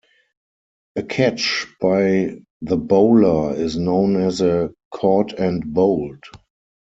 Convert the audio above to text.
A catch by the bowler is known as a "caught and bowled".